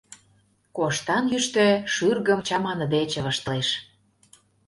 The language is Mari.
Коштан йӱштӧ шӱргым чаманыде чывыштылеш.